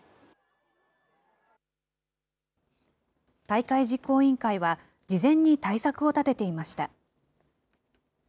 大会実行委員会は、事前に対策を立てていました。